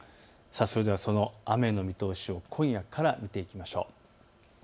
それでは雨の見通しを今夜から見ていきましょう。